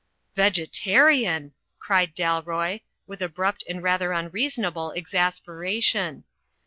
"Vegetarian !" cried Dalroy, with abrupt and rather imreasonable exasperation.